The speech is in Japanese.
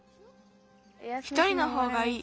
一人のほうがいい。